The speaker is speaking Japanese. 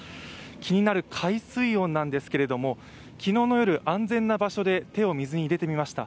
気になる海水温なんですけれども昨日の夜、安全な場所で海水に手を入れてみました。